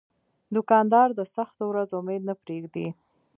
دوکاندار د سختو ورځو امید نه پرېږدي.